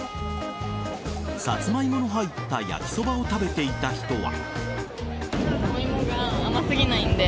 サツマイモの入った焼きそばを食べていた人は。